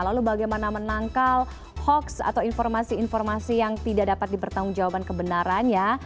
lalu bagaimana menangkal hoax atau informasi informasi yang tidak dapat dipertanggung jawaban kebenarannya